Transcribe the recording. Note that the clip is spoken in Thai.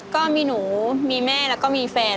ก็มีหนูมีแม่แล้วก็มีแฟน